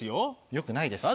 良くないですか？